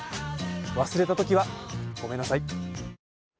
忘れたときは、ごめんなさい。